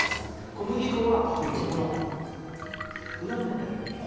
小麦粉は裏の面だけ。